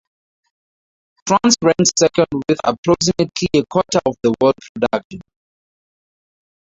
France ranks second with approximately a quarter of the world production.